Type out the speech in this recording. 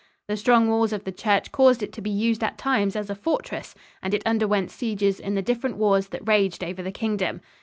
The strong walls of the church caused it to be used at times as a fortress, and it underwent sieges in the different wars that raged over the Kingdom.